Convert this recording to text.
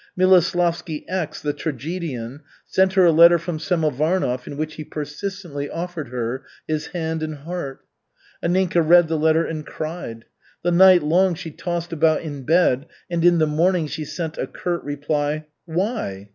Miloslavsky X, the tragedian, sent her a letter from Samovarnov in which he persistently offered her his hand and heart. Anninka read the letter and cried. The night long she tossed about in bed, and in the morning she sent a curt reply, "Why?